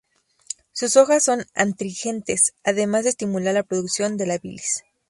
Sus hojas son astringentes, además de estimular la producción de la bilis.